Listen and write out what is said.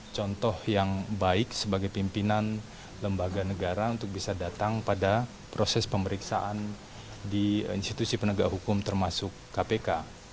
contoh yang baik sebagai pimpinan lembaga negara untuk bisa datang pada proses pemeriksaan di institusi penegak hukum termasuk kpk